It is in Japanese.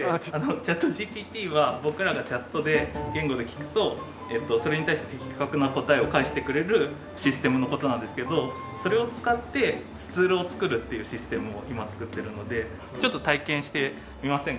ＣｈａｔＧＰＴは僕らがチャットで言語で聞くとそれに対して的確な答えを返してくれるシステムの事なんですけどそれを使ってスツールを作るっていうシステムを今作っているのでちょっと体験してみませんか？